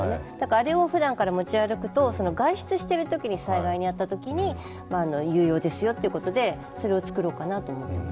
あれをふだんから持ち歩くと外出しているときに災害に遭ったときに有用ですよということで、それを作ろうかなと思ってます。